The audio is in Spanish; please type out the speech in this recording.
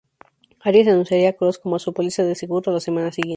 Aries anunciaría a Kross como su "póliza de seguro" la semana siguiente.